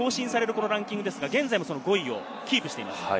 このランキングですが、現在も５位をキープしています。